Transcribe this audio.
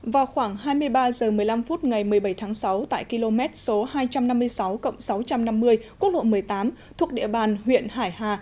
vào khoảng hai mươi ba h một mươi năm phút ngày một mươi bảy tháng sáu tại km số hai trăm năm mươi sáu cộng sáu trăm năm mươi quốc lộ một mươi tám thuộc địa bàn huyện hải hà